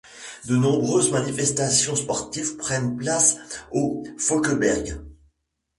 De nombreuses manifestations sportives prennent place au Fockeberg.